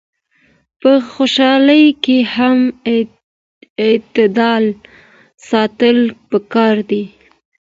په خوشحالۍ کي هم اعتدال ساتل پکار دي.